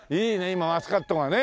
今マスカットがね。